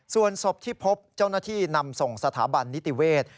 ส่วนศพที่พบเจ้าหน้าที่นำส่งสถาบันนิติเวศ